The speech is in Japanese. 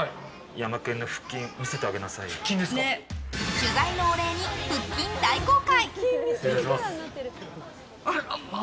取材のお礼に腹筋大公開。